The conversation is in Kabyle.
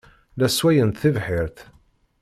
La sswayent tibḥirt.